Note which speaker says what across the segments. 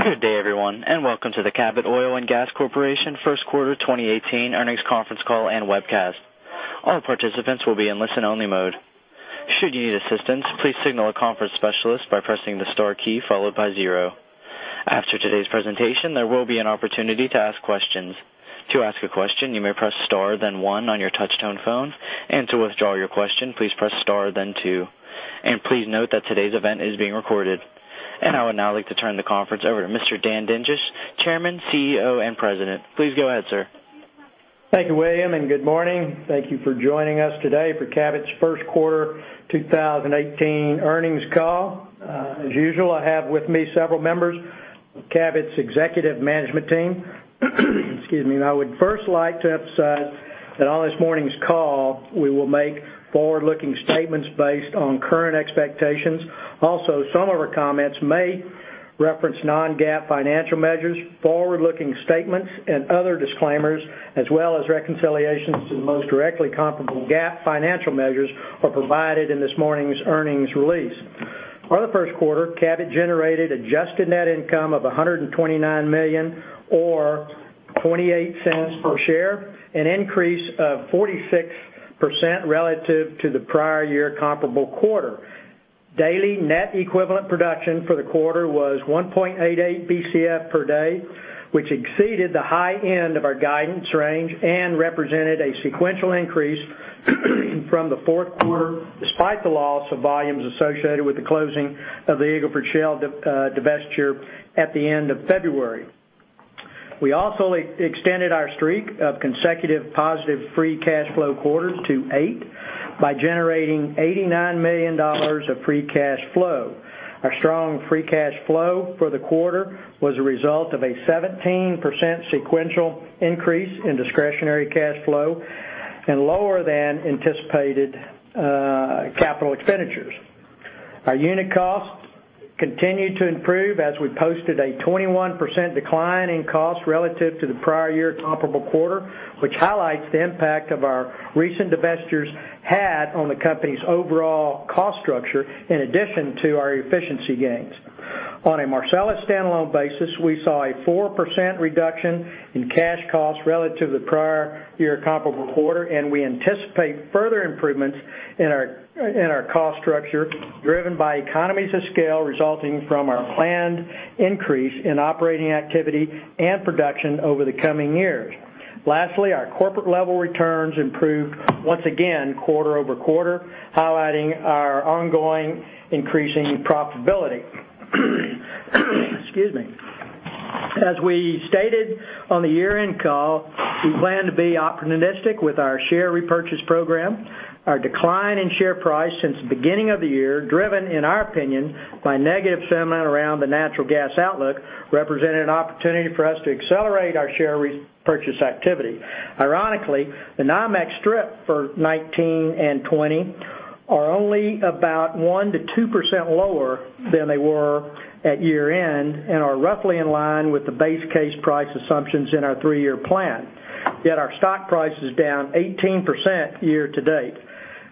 Speaker 1: Good day, everyone, and welcome to the Cabot Oil & Gas Corporation first quarter 2018 earnings conference call and webcast. All participants will be in listen-only mode. Should you need assistance, please signal a conference specialist by pressing the star key followed by zero. After today's presentation, there will be an opportunity to ask questions. To ask a question, you may press star then one on your touch-tone phone, and to withdraw your question, please press star then two. Please note that today's event is being recorded. I would now like to turn the conference over to Mr. Dan Dinges, Chairman, CEO, and President. Please go ahead, sir.
Speaker 2: Thank you, William, and good morning. Thank you for joining us today for Cabot's first quarter 2018 earnings call. As usual, I have with me several members of Cabot's executive management team. Excuse me. I would first like to emphasize that on this morning's call, we will make forward-looking statements based on current expectations. Also, some of our comments may reference non-GAAP financial measures, forward-looking statements and other disclaimers, as well as reconciliations to the most directly comparable GAAP financial measures are provided in this morning's earnings release. For the first quarter, Cabot generated adjusted net income of $129 million or $0.28 per share, an increase of 46% relative to the prior year comparable quarter. Daily net equivalent production for the quarter was 1.88 Bcf per day, which exceeded the high end of our guidance range and represented a sequential increase from the fourth quarter, despite the loss of volumes associated with the closing of the Eagle Ford Shale divestiture at the end of February. We also extended our streak of consecutive positive free cash flow quarters to eight by generating $89 million of free cash flow. Our strong free cash flow for the quarter was a result of a 17% sequential increase in discretionary cash flow and lower than anticipated capital expenditures. Our unit costs continued to improve as we posted a 21% decline in costs relative to the prior year comparable quarter, which highlights the impact of our recent divestitures had on the company's overall cost structure, in addition to our efficiency gains. On a Marcellus standalone basis, we saw a 4% reduction in cash costs relative to the prior year comparable quarter. We anticipate further improvements in our cost structure, driven by economies of scale resulting from our planned increase in operating activity and production over the coming years. Lastly, our corporate level returns improved once again quarter-over-quarter, highlighting our ongoing increasing profitability. Excuse me. As we stated on the year-end call, we plan to be opportunistic with our share repurchase program. Our decline in share price since the beginning of the year, driven, in our opinion, by negative sentiment around the natural gas outlook, represented an opportunity for us to accelerate our share repurchase activity. Ironically, the NYMEX strip for 2019 and 2020 are only about 1%-2% lower than they were at year-end and are roughly in line with the base case price assumptions in our three-year plan. Yet our stock price is down 18% year-to-date.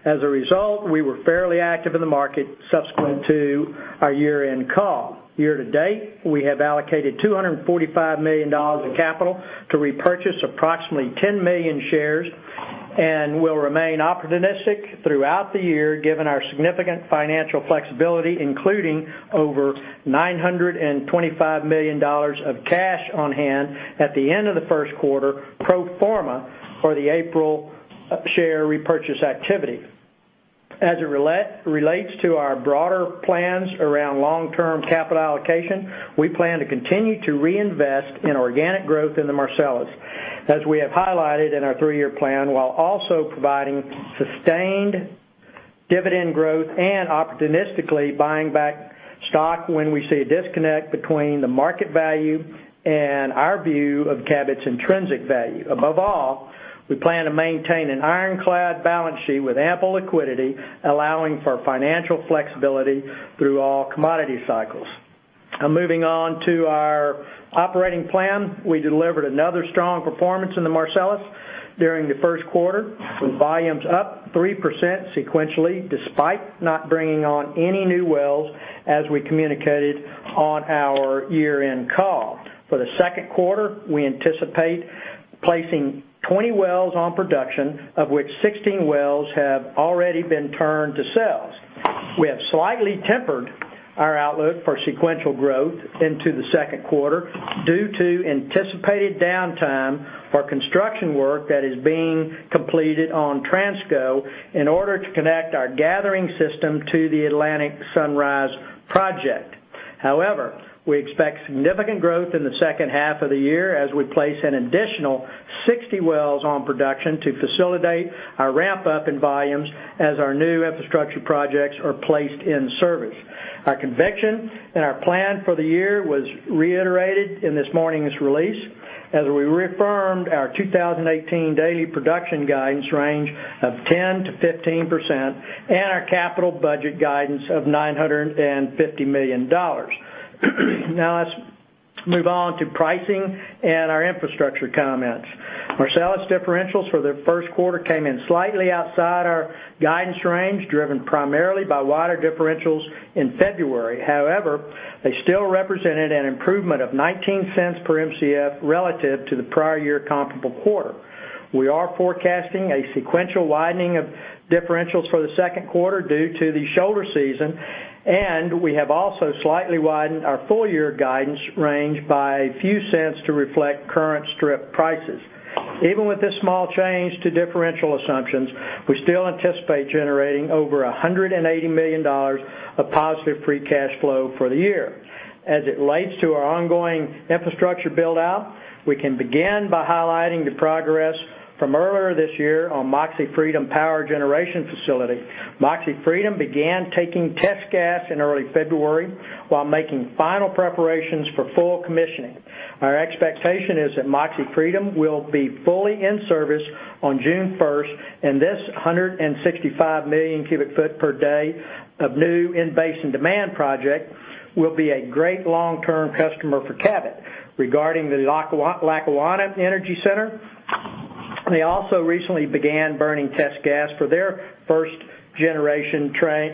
Speaker 2: As a result, we were fairly active in the market subsequent to our year-end call. Year-to-date, we have allocated $245 million of capital to repurchase approximately 10 million shares and will remain opportunistic throughout the year given our significant financial flexibility, including over $925 million of cash on hand at the end of the first quarter, pro forma for the April share repurchase activity. As it relates to our broader plans around long-term capital allocation, we plan to continue to reinvest in organic growth in the Marcellus, as we have highlighted in our three-year plan, while also providing sustained dividend growth and opportunistically buying back stock when we see a disconnect between the market value and our view of Cabot's intrinsic value. Above all, we plan to maintain an ironclad balance sheet with ample liquidity, allowing for financial flexibility through all commodity cycles. Moving on to our operating plan. We delivered another strong performance in the Marcellus during the first quarter, with volumes up 3% sequentially, despite not bringing on any new wells, as we communicated on our year-end call. For the second quarter, we anticipate placing 20 wells on production, of which 16 wells have already been turned to sales. We have slightly tempered our outlook for sequential growth into the second quarter due to anticipated downtime for construction work that is being completed on Transco in order to connect our gathering system to the Atlantic Sunrise project. We expect significant growth in the second half of the year as we place an additional 60 wells on production to facilitate our ramp-up in volumes as our new infrastructure projects are placed in service. Our conviction and our plan for the year was reiterated in this morning's release, as we reaffirmed our 2018 daily production guidance range of 10%-15% and our capital budget guidance of $950 million. Let's move on to pricing and our infrastructure comments. Marcellus differentials for the first quarter came in slightly outside our guidance range, driven primarily by wider differentials in February. They still represented an improvement of $0.19 per Mcf relative to the prior year comparable quarter. We are forecasting a sequential widening of differentials for the second quarter due to the shoulder season, and we have also slightly widened our full-year guidance range by a few cents to reflect current strip prices. Even with this small change to differential assumptions, we still anticipate generating over $180 million of positive free cash flow for the year. As it relates to our ongoing infrastructure build-out, we can begin by highlighting the progress from earlier this year on Moxie Freedom Generating Station. Moxie Freedom began taking test gas in early February while making final preparations for full commissioning. Our expectation is that Moxie Freedom will be fully in service on June 1st, and this 165 million cubic foot per day of new in-basin demand project will be a great long-term customer for Cabot. Regarding the Lackawanna Energy Center, they also recently began burning test gas for their first-generation train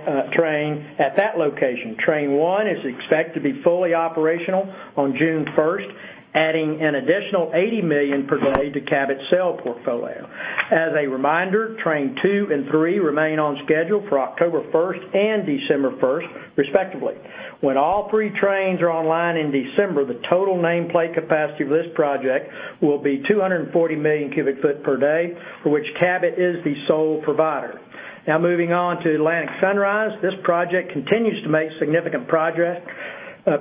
Speaker 2: at that location. Train one is expected to be fully operational on June 1st, adding an additional 80 million per day to Cabot's sale portfolio. As a reminder, train two and three remain on schedule for October 1st and December 1st, respectively. When all three trains are online in December, the total nameplate capacity of this project will be 240 million cubic foot per day, for which Cabot is the sole provider. Now moving on to Atlantic Sunrise. This project continues to make significant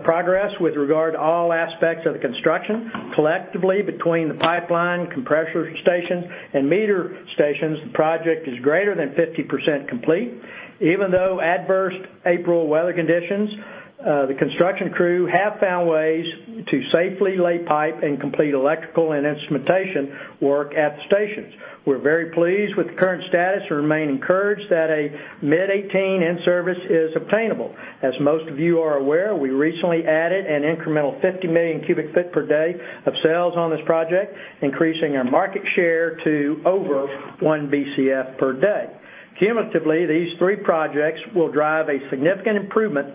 Speaker 2: progress with regard to all aspects of the construction. Collectively, between the pipeline compressor station and meter stations, the project is greater than 50% complete. Even though adverse April weather conditions, the construction crew have found ways to safely lay pipe and complete electrical and instrumentation work at the stations. We're very pleased with the current status and remain encouraged that a mid 2018 in-service is obtainable. As most of you are aware, we recently added an incremental 50 million cubic foot per day of sales on this project, increasing our market share to over one Bcf per day. Cumulatively, these three projects will drive a significant improvement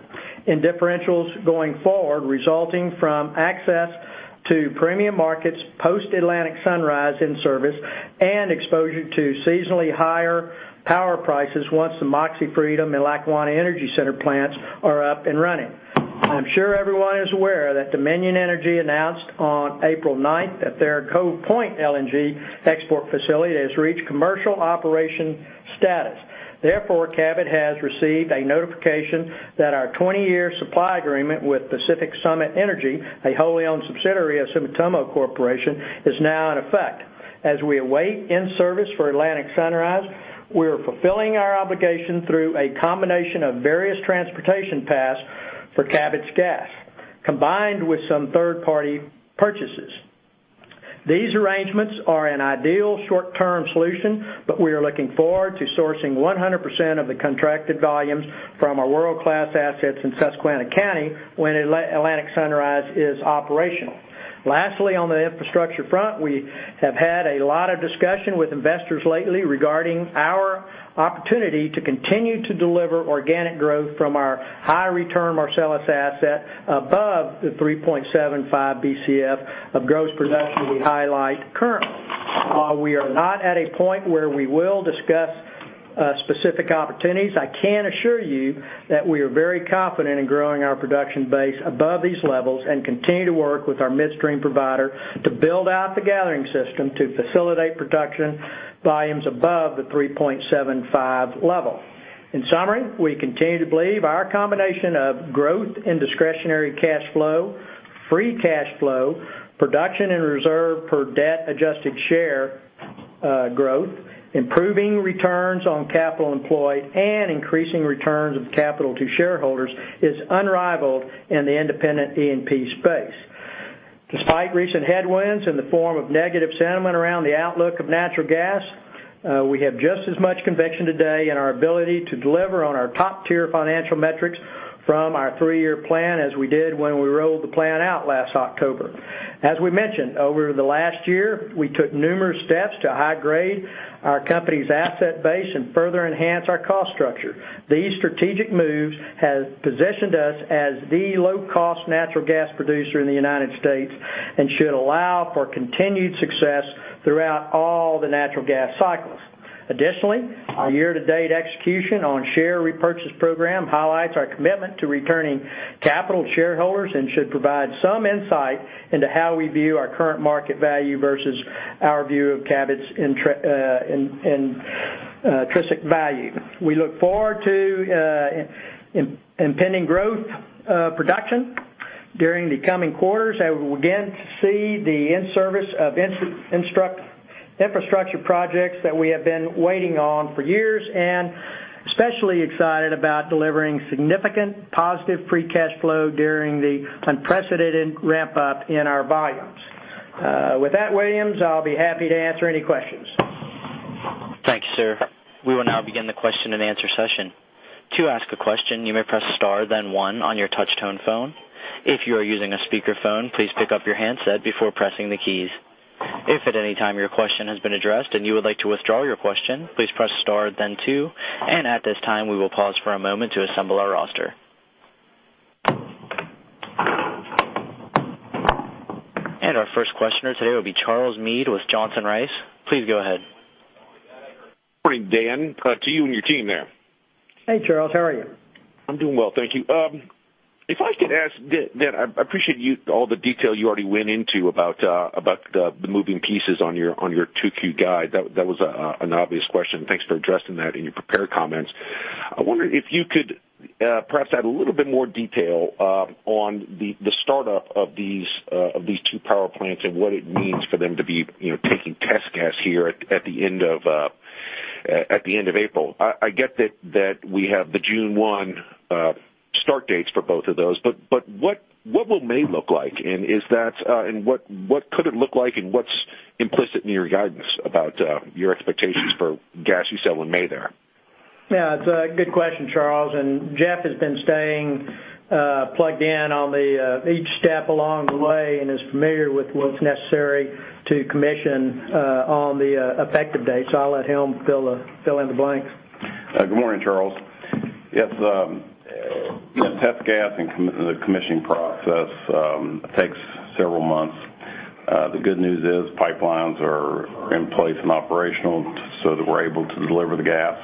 Speaker 2: in differentials going forward, resulting from access to premium markets post Atlantic Sunrise in-service and exposure to seasonally higher power prices once the Moxie Freedom and Lackawanna Energy Center plants are up and running. I'm sure everyone is aware that Dominion Energy announced on April 9th that their Cove Point LNG export facility has reached commercial operation status. Therefore, Cabot has received a notification that our 20-year supply agreement with Pacific Summit Energy, a wholly owned subsidiary of Sumitomo Corporation, is now in effect. As we await in-service for Atlantic Sunrise, we're fulfilling our obligation through a combination of various transportation paths for Cabot's gas, combined with some third-party purchases. These arrangements are an ideal short-term solution, but we are looking forward to sourcing 100% of the contracted volumes from our world-class assets in Susquehanna County when Atlantic Sunrise is operational. Lastly, on the infrastructure front, we have had a lot of discussion with investors lately regarding our opportunity to continue to deliver organic growth from our high-return Marcellus asset above the 3.75 Bcf of gross production we highlight currently. While we are not at a point where we will discuss specific opportunities, I can assure you that we are very confident in growing our production base above these levels and continue to work with our midstream provider to build out the gathering system to facilitate production volumes above the 3.75 level. In summary, we continue to believe our combination of growth and discretionary cash flow, free cash flow, production and reserve per debt adjusted share growth, improving returns on capital employed, and increasing returns of capital to shareholders is unrivaled in the independent E&P space. Despite recent headwinds in the form of negative sentiment around the outlook of natural gas, we have just as much conviction today in our ability to deliver on our top-tier financial metrics from our three-year plan as we did when we rolled the plan out last October. As we mentioned, over the last year, we took numerous steps to high-grade our company's asset base and further enhance our cost structure. These strategic moves have positioned us as the low-cost natural gas producer in the United States and should allow for continued success throughout all the natural gas cycles. Additionally, our year-to-date execution on share repurchase program highlights our commitment to returning capital to shareholders and should provide some insight into how we view our current market value versus our view of Cabot's intrinsic value. We look forward to impending growth production during the coming quarters, and we will again see the in-service of infrastructure projects that we have been waiting on for years, and especially excited about delivering significant positive free cash flow during the unprecedented ramp-up in our volumes. With that, William, I'll be happy to answer any questions.
Speaker 1: Thank you, sir. We will now begin the question and answer session. To ask a question, you may press star then one on your touch-tone phone. If you are using a speakerphone, please pick up your handset before pressing the keys. If at any time your question has been addressed and you would like to withdraw your question, please press star then two. At this time, we will pause for a moment to assemble our roster. Our first questioner today will be Charles Meade with Johnson Rice. Please go ahead.
Speaker 3: Morning, Dan, to you and your team there.
Speaker 2: Hey, Charles. How are you?
Speaker 3: I'm doing well, thank you. If I could ask, Dan, I appreciate all the detail you already went into about the moving pieces on your 2Q guide. That was an obvious question. Thanks for addressing that in your prepared comments. I wonder if you could perhaps add a little bit more detail on the startup of these two power plants and what it means for them to be taking test gas here at the end of April. I get that we have the June one start dates for both of those, but what will May look like? What could it look like, and what's implicit in your guidance about your expectations for gas you sell in May there?
Speaker 2: Yeah, it's a good question, Charles. Jeff has been staying plugged in on each step along the way and is familiar with what's necessary to commission on the effective date. I'll let him fill in the blanks.
Speaker 4: Good morning, Charles. Yes, test gas and the commissioning process takes several months. The good news is pipelines are in place and operational so that we're able to deliver the gas.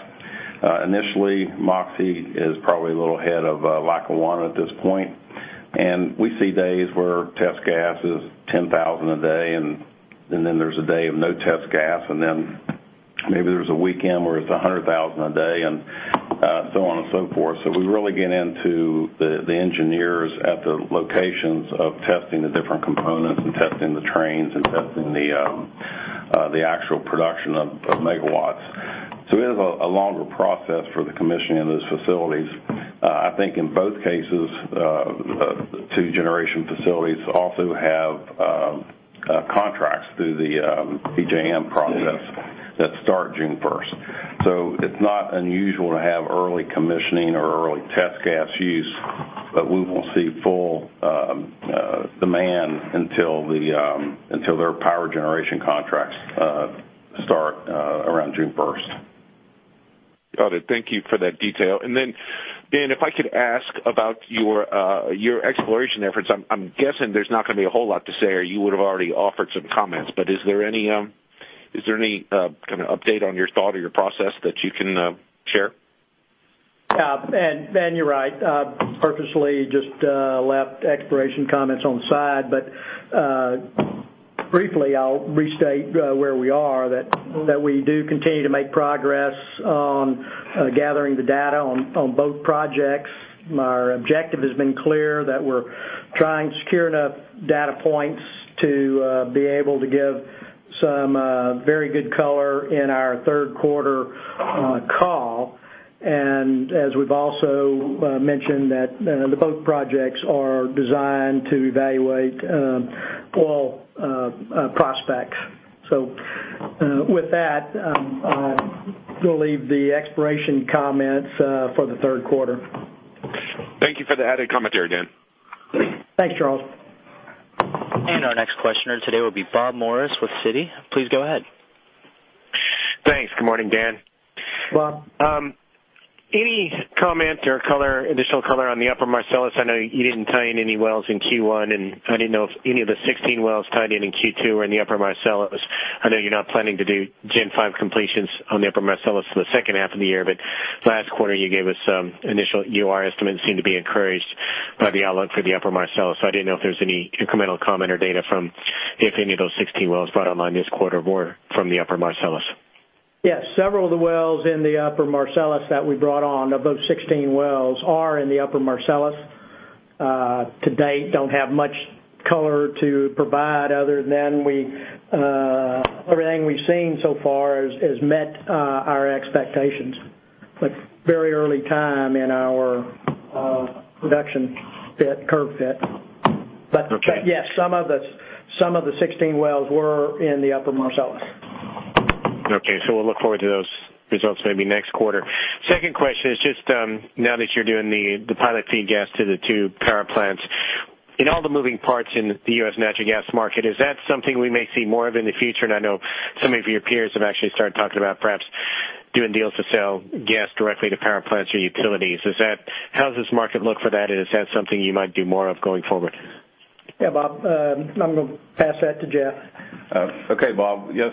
Speaker 4: Initially, Moxie is probably a little ahead of Lackawanna at this point. We see days where test gas is 10,000 a day, and then there's a day of no test gas, and then maybe there's a weekend where it's 100,000 a day, and so on and so forth. We really get into the engineers at the locations of testing the different components and testing the trains and testing the actual production of megawatts. It is a longer process for the commissioning of those facilities. I think in both cases, the two generation facilities also have contracts through the PJM process that start June 1st. It's not unusual to have early commissioning or early test gas use, but we won't see full demand until their power generation contracts start around June 1st.
Speaker 3: Got it. Thank you for that detail. Dan, if I could ask about your exploration efforts. I'm guessing there's not going to be a whole lot to say, or you would've already offered some comments. Is there any kind of update on your thought or your process that you can share?
Speaker 2: Yeah. Dan, you're right. Purposely just left exploration comments on the side. Briefly, I'll restate where we are, that we do continue to make progress on gathering the data on both projects. Our objective has been clear that we're trying to secure enough data points to be able to give some very good color in our third quarter call. As we've also mentioned that both projects are designed to evaluate oil prospects. With that, I'll leave the exploration comments for the third quarter.
Speaker 3: Thank you for the added commentary, Dan.
Speaker 2: Thanks, Charles.
Speaker 1: Our next questioner today will be Bob Morris with Citi. Please go ahead.
Speaker 5: Thanks. Good morning, Dan.
Speaker 2: Bob.
Speaker 5: Any comment or initial color on the Upper Marcellus? I know you didn't tie in any wells in Q1, and I didn't know if any of the 16 wells tied in in Q2 were in the Upper Marcellus. I know you're not planning to do Gen 5 completions on the Upper Marcellus for the second half of the year, last quarter you gave us some initial EUR estimates seemed to be encouraged by the outlook for the Upper Marcellus. I didn't know if there was any incremental comment or data from if any of those 16 wells brought online this quarter were from the Upper Marcellus.
Speaker 2: Yes, several of the wells in the Upper Marcellus that we brought on, of those 16 wells are in the Upper Marcellus. To date, don't have much color to provide other than everything we've seen so far has met our expectations. Very early time in our production curve fit.
Speaker 5: Okay.
Speaker 2: Yes, some of the 16 wells were in the Upper Marcellus.
Speaker 5: Okay. We'll look forward to those results maybe next quarter. Second question is just now that you're doing the pilot feed gas to the 2 power plants. In all the moving parts in the U.S. natural gas market, is that something we may see more of in the future? I know some of your peers have actually started talking about perhaps doing deals to sell gas directly to power plants or utilities. How does this market look for that, and is that something you might do more of going forward?
Speaker 2: Bob, I'm going to pass that to Jeff.
Speaker 4: Okay, Bob. Yes,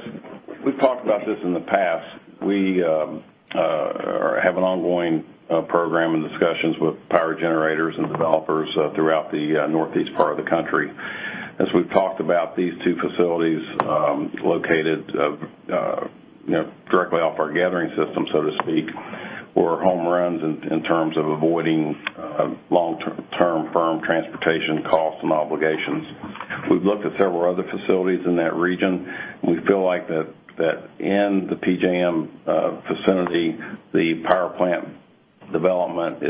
Speaker 4: we've talked about this in the past. We have an ongoing program and discussions with power generators and developers throughout the Northeast part of the country. As we've talked about these 2 facilities located directly off our gathering system, so to speak, were home runs in terms of avoiding long-term firm transportation costs and obligations. We've looked at several other facilities in that region. We feel like that in the PJM vicinity, the power plant development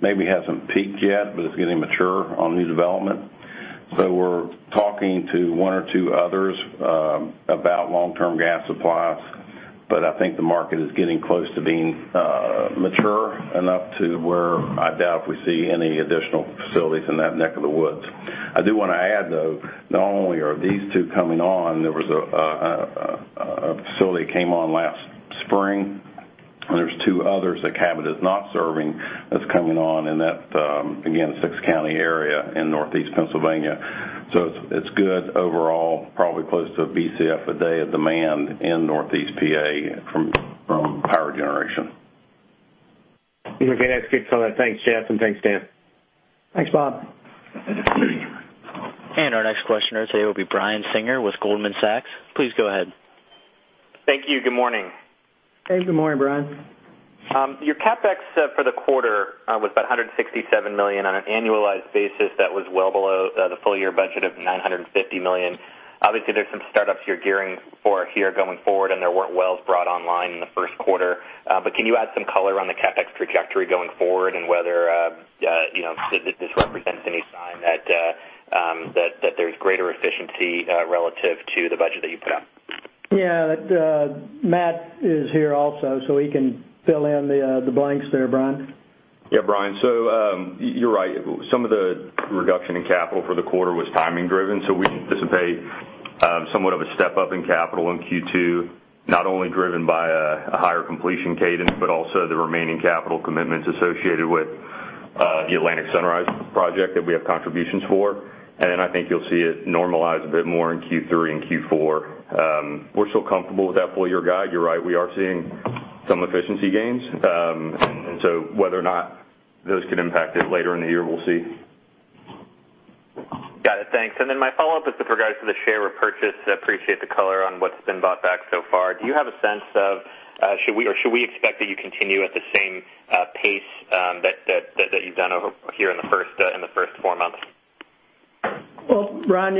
Speaker 4: maybe hasn't peaked yet, but it's getting mature on new development We're talking to one or two others about long-term gas supplies, but I think the market is getting close to being mature enough to where I doubt if we see any additional facilities in that neck of the woods. I do want to add, though, not only are these two coming on, there was a facility that came on last spring. There's two others that Cabot is not serving that's coming on in that, again, six-county area in Northeast Pennsylvania. It's good overall, probably close to a Bcf a day of demand in Northeast PA from power generation.
Speaker 5: Okay. That's good color. Thanks, Jeff, and thanks, Dan.
Speaker 2: Thanks, Bob.
Speaker 1: Our next questioner today will be Brian Singer with Goldman Sachs. Please go ahead.
Speaker 6: Thank you. Good morning.
Speaker 2: Hey, good morning, Brian.
Speaker 6: Your CapEx for the quarter was about $167 million. On an annualized basis, that was well below the full-year budget of $950 million. Obviously, there's some startups you're gearing for here going forward, and there weren't wells brought online in the first quarter. Can you add some color on the CapEx trajectory going forward and whether this represents any sign that there's greater efficiency relative to the budget that you put out?
Speaker 2: Yeah. Matt is here also, so he can fill in the blanks there, Brian.
Speaker 7: Brian, you're right. Some of the reduction in capital for the quarter was timing driven. We anticipate somewhat of a step-up in capital in Q2, not only driven by a higher completion cadence, but also the remaining capital commitments associated with the Atlantic Sunrise project that we have contributions for. I think you'll see it normalize a bit more in Q3 and Q4. We're still comfortable with that full-year guide. You're right, we are seeing some efficiency gains. Whether or not those could impact it later in the year, we'll see.
Speaker 6: Got it. Thanks. My follow-up is with regards to the share repurchase. I appreciate the color on what's been bought back so far. Do you have a sense of should we expect that you continue at the same pace that you've done over here in the first four months?
Speaker 2: Brian,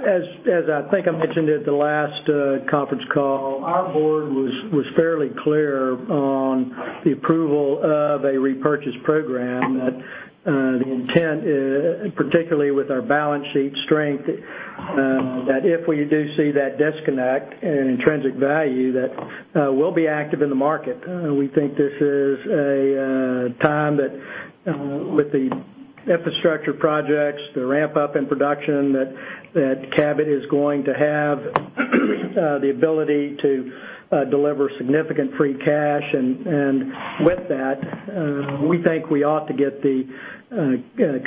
Speaker 2: as I think I mentioned at the last conference call, our board was fairly clear on the approval of a repurchase program, that the intent, particularly with our balance sheet strength, that if we do see that disconnect in an intrinsic value, that we'll be active in the market. We think this is a time that with the infrastructure projects, the ramp-up in production, that Cabot is going to have the ability to deliver significant free cash. With that, we think we ought to get the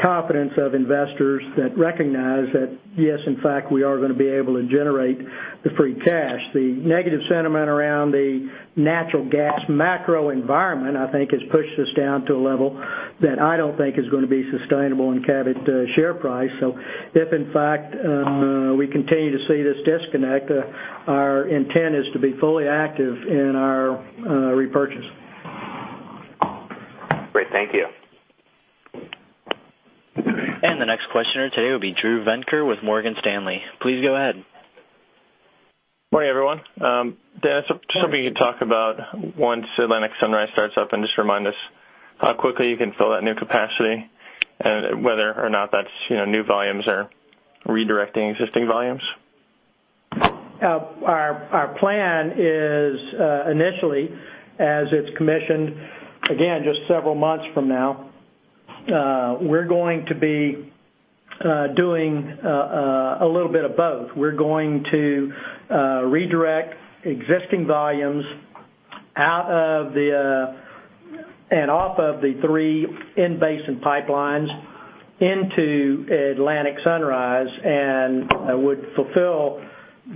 Speaker 2: confidence of investors that recognize that, yes, in fact, we are going to be able to generate the free cash. The negative sentiment around the natural gas macro environment, I think, has pushed us down to a level that I don't think is going to be sustainable in Cabot share price. If in fact we continue to see this disconnect, our intent is to be fully active in our repurchase.
Speaker 6: Great. Thank you.
Speaker 1: The next questioner today will be Drew Venker with Morgan Stanley. Please go ahead.
Speaker 8: Morning, everyone. Dan-
Speaker 2: Sure.
Speaker 8: I was hoping you could talk about once Atlantic Sunrise starts up and just remind us how quickly you can fill that new capacity and whether or not that's new volumes or redirecting existing volumes.
Speaker 2: Our plan is initially as it's commissioned, again, just several months from now, we're going to be doing a little bit of both. We're going to redirect existing volumes out of the and off of the three in-basin pipelines into Atlantic Sunrise, and would fulfill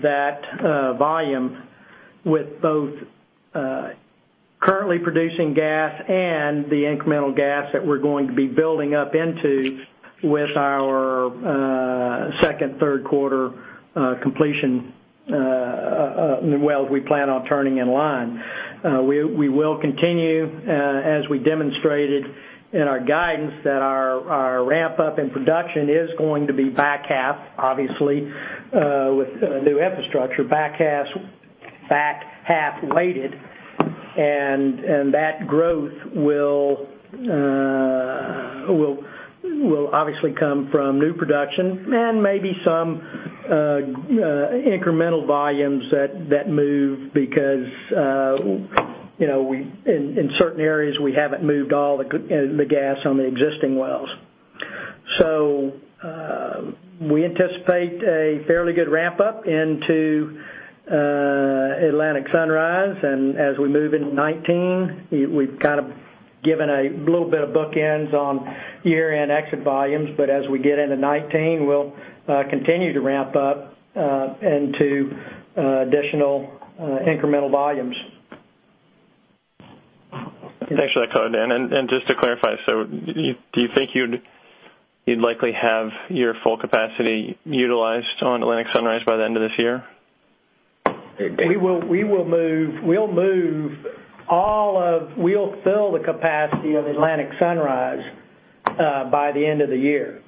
Speaker 2: that volume with both currently producing gas and the incremental gas that we're going to be building up into with our second, third quarter completion wells we plan on turning in line. We will continue, as we demonstrated in our guidance, that our ramp-up in production is going to be back half, obviously, with new infrastructure, back half weighted. That growth will obviously come from new production and maybe some incremental volumes that move because in certain areas, we haven't moved all the gas on the existing wells. We anticipate a fairly good ramp-up into Atlantic Sunrise. As we move into 2019, we've kind of given a little bit of bookends on year-end exit volumes. As we get into 2019, we'll continue to ramp up into additional incremental volumes.
Speaker 8: Thanks for that color, Dan. Just to clarify, do you think you'd likely have your full capacity utilized on Atlantic Sunrise by the end of this year?
Speaker 2: We'll fill the capacity of Atlantic Sunrise by the end of the year.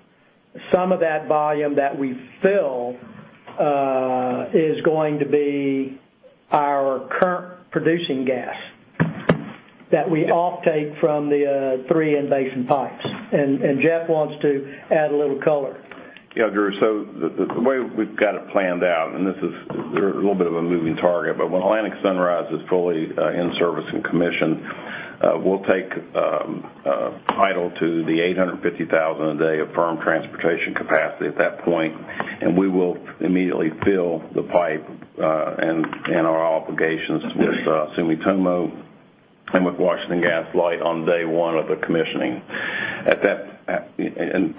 Speaker 2: Some of that volume that we fill is going to be producing gas that we offtake from the three in-basin pipes. Jeff wants to add a little color.
Speaker 4: Drew. The way we've got it planned out, and this is a little bit of a moving target, but when Atlantic Sunrise is fully in service and commissioned, we'll take title to the 850,000 a day of firm transportation capacity at that point, and we will immediately fill the pipe, and our obligations with Sumitomo and with Washington Gas Light on day one of the commissioning.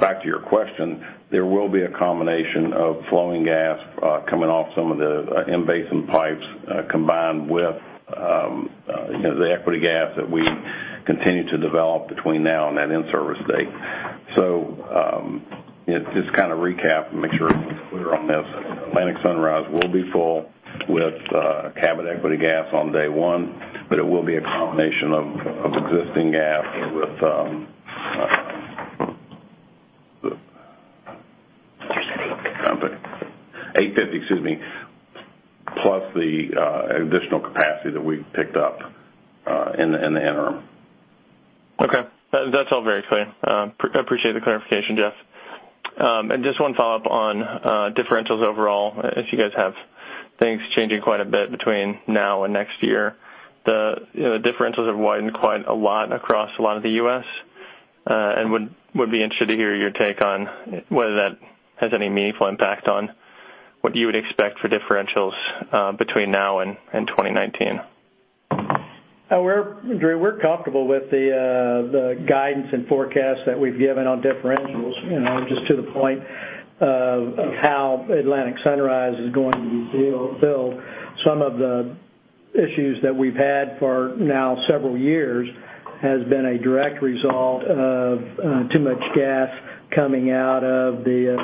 Speaker 4: Back to your question, there will be a combination of flowing gas coming off some of the in-basin pipes, combined with the equity gas that we continue to develop between now and that in-service date. Just to recap and make sure everyone's clear on this, Atlantic Sunrise will be full with Cabot equity gas on day one, but it will be a combination of existing gas with-
Speaker 1: Did you say eight?
Speaker 4: 850, excuse me, plus the additional capacity that we picked up in the interim.
Speaker 8: Okay. That's all very clear. I appreciate the clarification, Jeff. Just one follow-up on differentials overall, if you guys have things changing quite a bit between now and next year. The differentials have widened quite a lot across a lot of the U.S., and would be interested to hear your take on whether that has any meaningful impact on what you would expect for differentials between now and 2019.
Speaker 2: Drew, we're comfortable with the guidance and forecast that we've given on differentials, just to the point of how Atlantic Sunrise is going to be filled. Some of the issues that we've had for now several years has been a direct result of too much gas coming out of the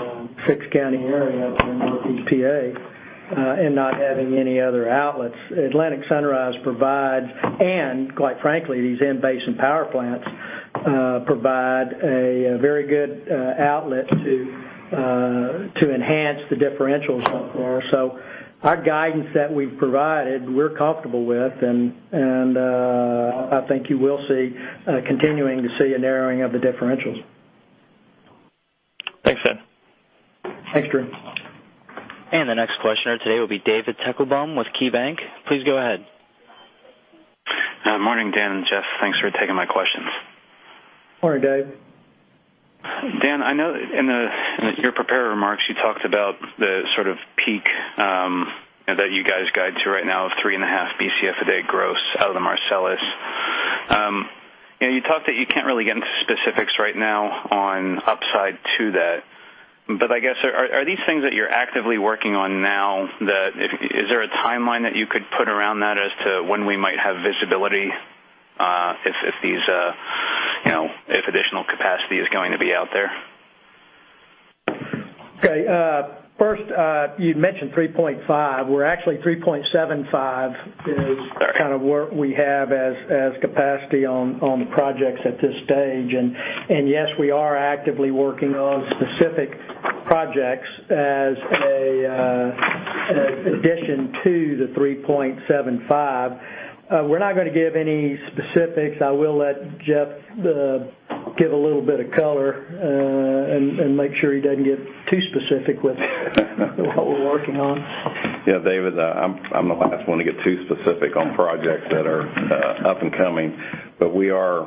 Speaker 2: six county area up in Northeast P.A., and not having any other outlets. Atlantic Sunrise provides, and quite frankly, these in-basin power plants provide a very good outlet to enhance the differentials going forward. Our guidance that we've provided, we're comfortable with, and I think you will continuing to see a narrowing of the differentials.
Speaker 8: Thanks, Dan.
Speaker 2: Thanks, Drew.
Speaker 1: The next questioner today will be David Deckelbaum with KeyBanc. Please go ahead.
Speaker 9: Morning, Dan and Jeff. Thanks for taking my questions.
Speaker 2: Morning, Dave.
Speaker 9: Dan, I know in your prepared remarks, you talked about the sort of peak that you guys guide to right now of 3.5 Bcf a day gross out of the Marcellus. You talked that you can't really get into specifics right now on upside to that, but I guess, are these things that you're actively working on now? Is there a timeline that you could put around that as to when we might have visibility if additional capacity is going to be out there?
Speaker 2: Okay. First, you mentioned 3.5. We're actually 3.75
Speaker 9: Sorry
Speaker 2: is kind of where we have as capacity on the projects at this stage. Yes, we are actively working on specific projects as an addition to the 3.75. We're not going to give any specifics. I will let Jeff give a little bit of color, and make sure he doesn't get too specific with what we're working on.
Speaker 4: Yeah, David, I'm the last one to get too specific on projects that are up and coming. We are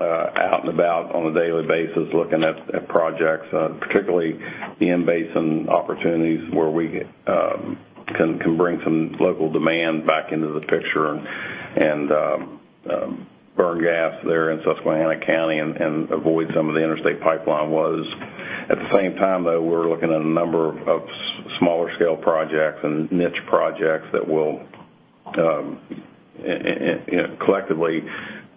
Speaker 4: out and about on a daily basis looking at projects, particularly the in-basin opportunities where we can bring some local demand back into the picture and burn gas there in Susquehanna County, and avoid some of the interstate pipeline woes. At the same time, though, we're looking at a number of smaller scale projects and niche projects that will collectively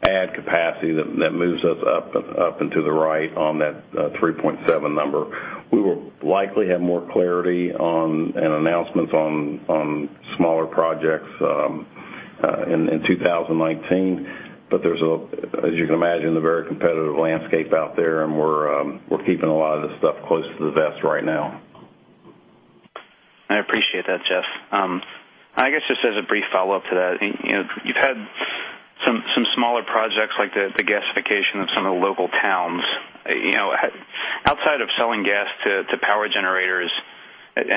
Speaker 4: add capacity that moves us up and to the right on that 3.7 number. We will likely have more clarity on, and announcements on smaller projects in 2019. There's a, as you can imagine, a very competitive landscape out there, and we're keeping a lot of the stuff close to the vest right now.
Speaker 9: I appreciate that, Jeff. I guess just as a brief follow-up to that, you've had some smaller projects like the gasification of some of the local towns. Outside of selling gas to power generators,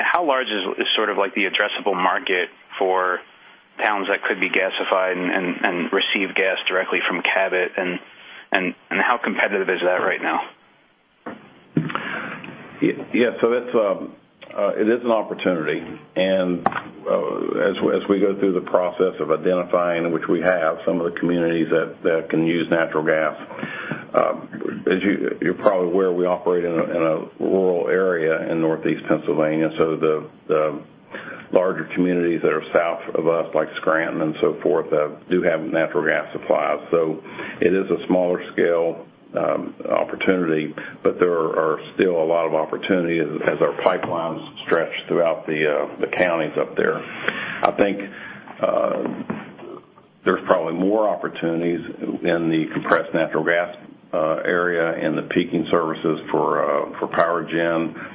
Speaker 9: how large is the addressable market for towns that could be gasified and receive gas directly from Cabot, and how competitive is that right now?
Speaker 4: Yeah. It is an opportunity, as we go through the process of identifying, which we have, some of the communities that can use natural gas. As you're probably aware, we operate in a rural area in northeast Pennsylvania, so the larger communities that are south of us, like Scranton and so forth, do have natural gas supplies. It is a smaller scale opportunity, there are still a lot of opportunities as our pipelines stretch throughout the counties up there. I think there's probably more opportunities in the compressed natural gas area, in the peaking services for power gen.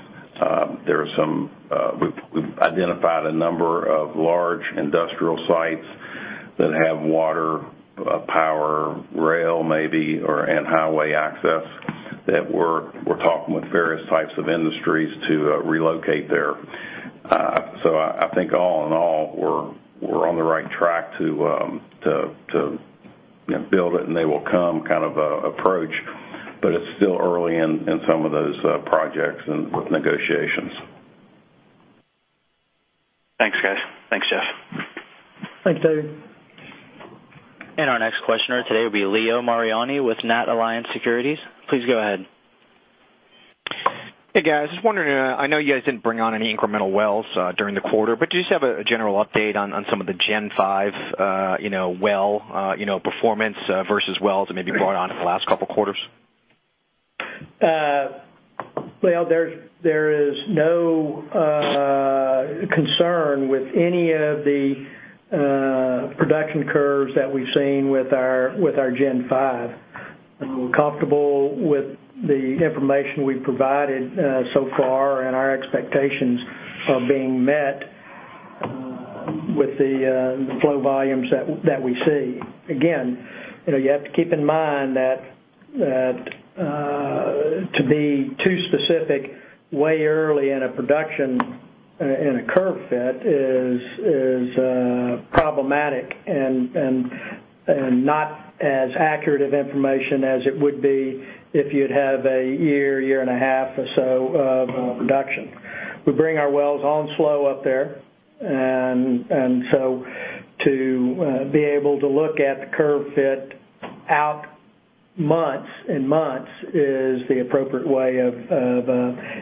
Speaker 4: We've identified a number of large industrial sites that have water, power, rail maybe, and highway access that we're talking with various types of industries to relocate there. I think all in all, we're on the right track to build it, and they will come kind of approach, but it's still early in some of those projects and with negotiations.
Speaker 9: Thanks, guys. Thanks, Jeff.
Speaker 2: Thanks, David.
Speaker 1: Our next questioner today will be Leo Mariani with NatAlliance Securities. Please go ahead.
Speaker 10: Hey, guys. Just wondering, I know you guys didn't bring on any incremental wells during the quarter, but do you just have a general update on some of the Gen 5 well performance versus wells that may be brought on in the last couple of quarters?
Speaker 2: Leo, there is no concern with any of the production curves that we've seen with our Gen 5. We're comfortable with the information we've provided so far, and our expectations are being met with the flow volumes that we see. Again, you have to keep in mind that to be too specific way early in a production, in a curve fit is problematic and not as accurate of information as it would be if you'd have a year and a half or so of production. We bring our wells on slow up there. To be able to look at the curve fit out months and months is the appropriate way of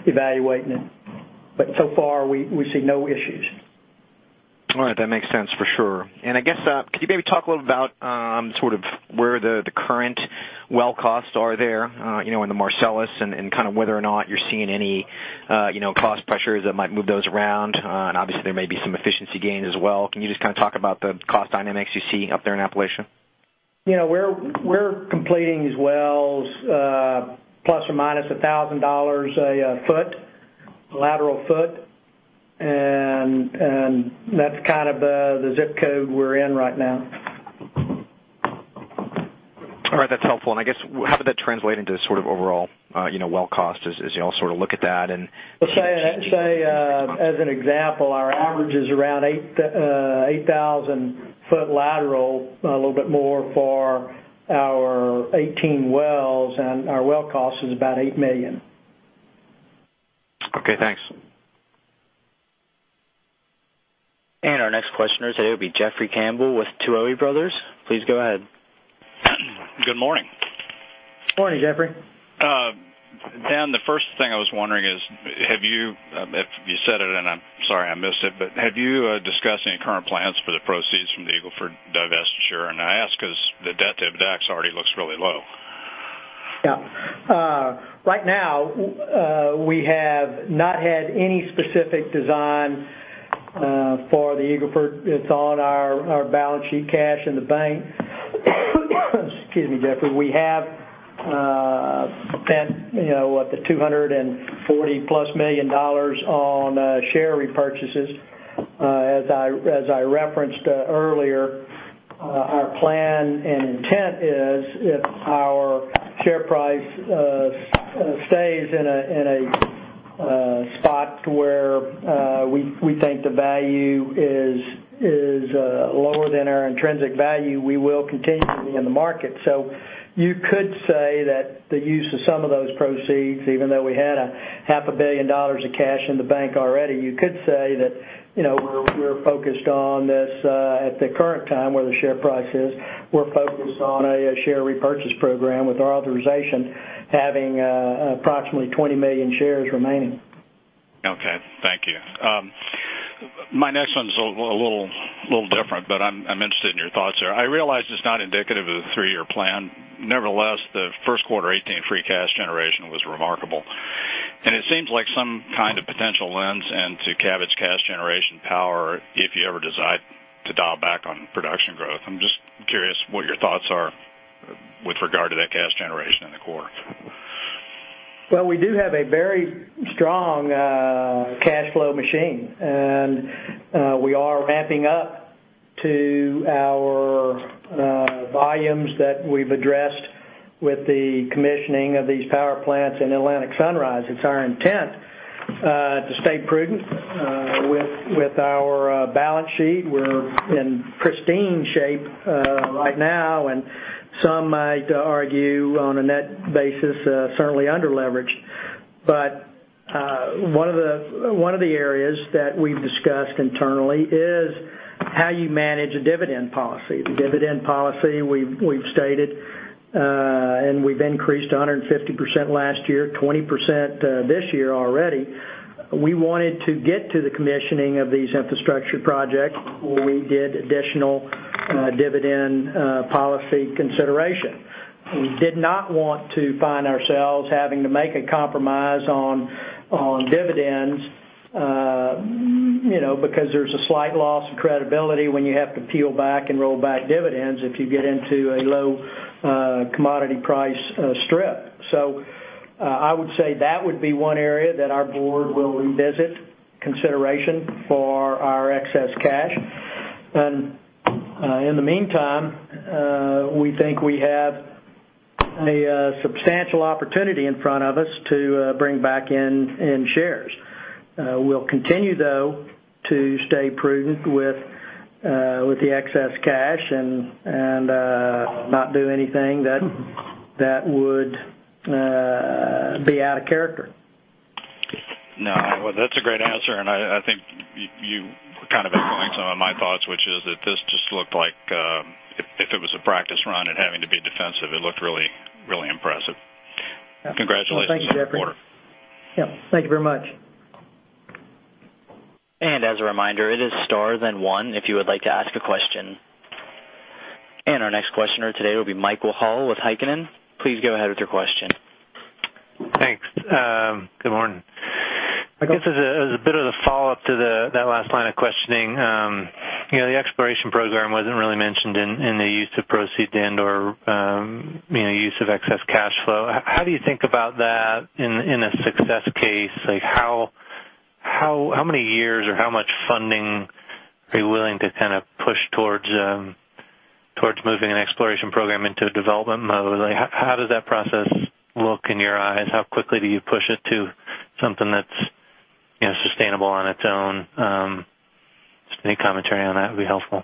Speaker 2: evaluating it. So far, we see no issues.
Speaker 10: All right. That makes sense for sure. I guess, could you maybe talk a little about where the current well costs are there in the Marcellus, and whether or not you're seeing any cost pressures that might move those around? Obviously, there may be some efficiency gains as well. Can you just talk about the cost dynamics you see up there in Appalachia?
Speaker 2: We're completing these wells ±$1,000 a foot, a lateral foot. That's the ZIP code we're in right now.
Speaker 10: All right. That's helpful. I guess, how did that translate into overall well cost as you all look at that and-
Speaker 2: Let's say, as an example, our average is around 8,000-foot lateral, a little bit more for our 18 wells. Our well cost is about $8 million.
Speaker 10: Okay, thanks.
Speaker 1: Our next questioner today will be Jeffrey Campbell with Tuohy Brothers. Please go ahead.
Speaker 11: Good morning.
Speaker 2: Morning, Jeffrey.
Speaker 11: Dan, the first thing I was wondering is, if you said it, and I'm sorry I missed it, but have you discussed any current plans for the proceeds from the Eagle Ford divestiture? I ask because the debt-to-EBITDA already looks really low.
Speaker 2: Yeah. Right now, we have not had any specific design for the Eagle Ford. It's on our balance sheet cash in the bank. Excuse me, Jeffrey. We have spent the $240+ million on share repurchases. As I referenced earlier, our plan and intent is if our share price stays in a spot where we think the value is lower than our intrinsic value, we will continue to be in the market. You could say that the use of some of those proceeds, even though we had a half a billion dollars of cash in the bank already, you could say that we're focused on this at the current time where the share price is. We're focused on a share repurchase program with our authorization having approximately 20 million shares remaining.
Speaker 11: Okay. Thank you. My next one's a little different, but I'm interested in your thoughts here. I realize it's not indicative of the three-year plan. Nevertheless, the first quarter 2018 free cash generation was remarkable. It seems like some kind of potential lends into Cabot's cash generation power if you ever decide to dial back on production growth. I'm just curious what your thoughts are with regard to that cash generation in the quarter.
Speaker 2: Well, we do have a very strong cash flow machine. We are ramping up to our volumes that we've addressed with the commissioning of these power plants in Atlantic Sunrise. It's our intent to stay prudent with our balance sheet. We're in pristine shape right now, and some might argue on a net basis, certainly under-leveraged. One of the areas that we've discussed internally is how you manage a dividend policy. The dividend policy we've stated, we've increased 150% last year, 20% this year already. We wanted to get to the commissioning of these infrastructure projects where we did additional dividend policy consideration. We did not want to find ourselves having to make a compromise on dividends. There's a slight loss of credibility when you have to peel back and roll back dividends if you get into a low commodity price strip. I would say that would be one area that our board will revisit consideration for our excess cash. In the meantime, we think we have a substantial opportunity in front of us to bring back in shares. We'll continue, though, to stay prudent with the excess cash and not do anything that would be out of character.
Speaker 11: No. Well, that's a great answer, and I think you were echoing some of my thoughts, which is that this just looked like if it was a practice run at having to be defensive, it looked really impressive. Congratulations on the quarter.
Speaker 2: Well, thank you, Jeffrey. Yep. Thank you very much.
Speaker 1: As a reminder, it is star then one if you would like to ask a question. Our next questioner today will be Michael Hall with Heikkinen. Please go ahead with your question.
Speaker 12: Thanks. Good morning. I guess as a bit of the follow-up to that last line of questioning. The exploration program wasn't really mentioned in the use of proceed to and/or use of excess cash flow. How do you think about that in a success case? How many years or how much funding are you willing to push towards moving an exploration program into a development mode? How does that process look in your eyes? How quickly do you push it to something that's sustainable on its own? Just any commentary on that would be helpful.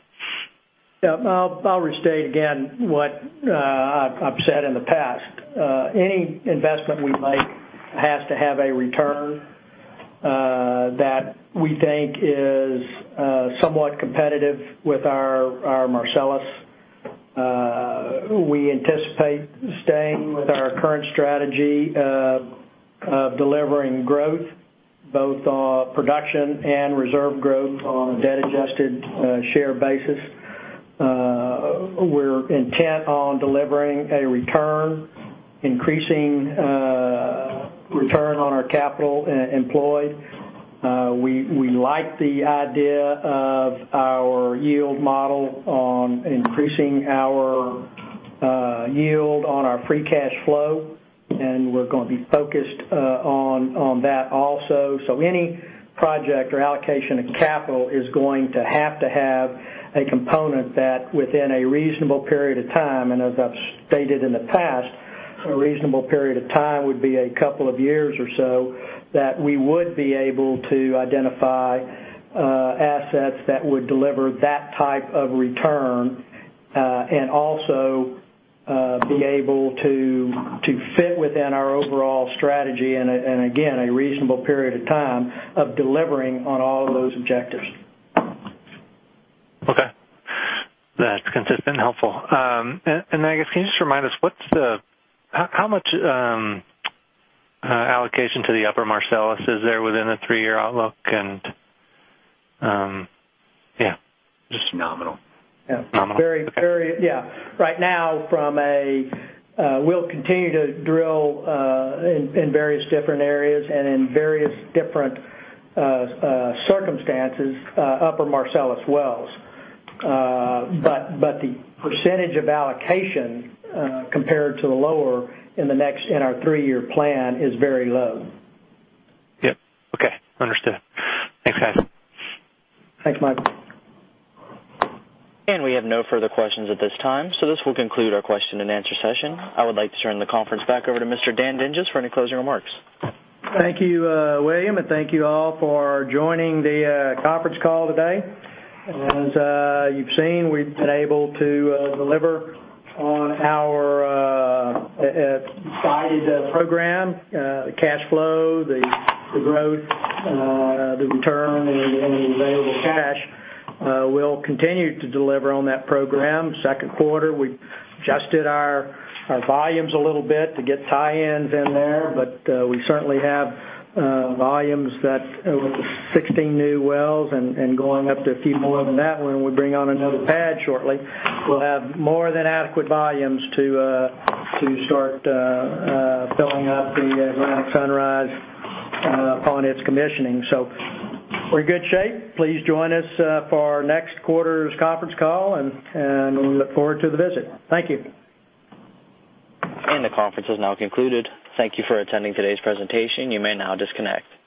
Speaker 2: Yeah. I'll restate again what I've said in the past. Any investment we make has to have a return that we think is somewhat competitive with our Marcellus. We anticipate staying with our current strategy of delivering growth, both production and reserve growth on a debt-adjusted share basis. We're intent on delivering a return, increasing return on our capital employed. We like the idea of our yield model on increasing our yield on our free cash flow, we're going to be focused on that also. Any project or allocation of capital is going to have to have a component that within a reasonable period of time, and as I've stated in the past, a reasonable period of time would be a couple of years or so, that we would be able to identify assets that would deliver that type of return, and also be able to fit within our overall strategy and again, a reasonable period of time of delivering on all of those objectives.
Speaker 12: Okay. That's consistent. Helpful. I guess can you just remind us how much allocation to the Upper Marcellus is there within the three-year outlook? Yeah, just nominal.
Speaker 2: Yeah.
Speaker 12: Nominal? Okay.
Speaker 2: Yeah. Right now, we'll continue to drill in various different areas and in various different circumstances Upper Marcellus wells. The percentage of allocation compared to the lower in our three-year plan is very low.
Speaker 12: Yep. Okay. Understood. Thanks, guys.
Speaker 2: Thanks, Michael.
Speaker 1: We have no further questions at this time, so this will conclude our question and answer session. I would like to turn the conference back over to Mr. Dan Dinges for any closing remarks.
Speaker 2: Thank you, William, and thank you all for joining the conference call today. As you've seen, we've been able to deliver on our decided program, the cash flow, the growth, the return on any available cash. We'll continue to deliver on that program. Second quarter, we adjusted our volumes a little bit to get tie-ins in there, but we certainly have volumes that with the 16 new wells and going up to a few more than that when we bring on another pad shortly, we'll have more than adequate volumes to start filling up the Atlantic Sunrise upon its commissioning. We're in good shape. Please join us for our next quarter's conference call, and we look forward to the visit. Thank you.
Speaker 1: The conference has now concluded. Thank you for attending today's presentation. You may now disconnect.